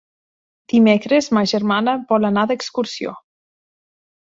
Dimecres ma germana vol anar d'excursió.